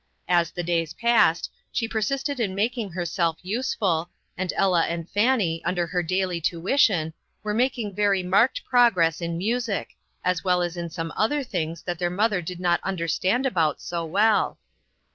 As the days passed, she persisted in making herself useful, and Ella and Fannie, under her daily tuition, were making very marked progress in music, as well as in some other things that their mother did not understand about so well.